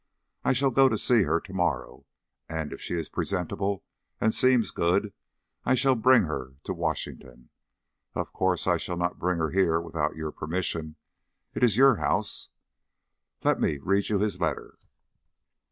I shall go to see her to morrow, and if she is presentable and seems good I shall bring her to Washington. Of course I shall not bring her here without your permission it is your house. Let me read you his letter."